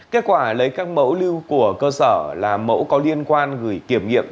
kết quả lấy các mẫu lưu của cơ sở là mẫu có liên quan gửi kiểm nghiệm